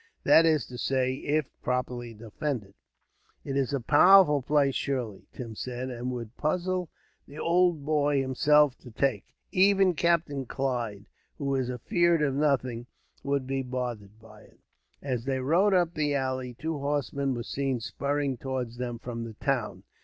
That is to say, if properly defended." "It's a powerful place, surely," Tim said; "and would puzzle the ould boy himself to take. Even Captain Clive, who is afeard of nothing, would be bothered by it." As they rode up the valley, two horsemen were seen spurring towards them, from the town.